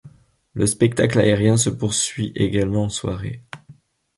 Le spectacle aérien se poursuit également en soirée.